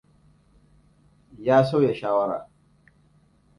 Ya sauya shawara.